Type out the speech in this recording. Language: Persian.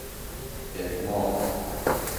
اقماع